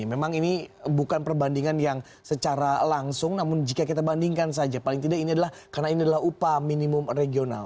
memang ini bukan perbandingan yang secara langsung namun jika kita bandingkan saja paling tidak ini adalah karena ini adalah upah minimum regional